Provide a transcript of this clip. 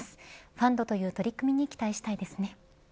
ファンドという取り組みに期待したいです。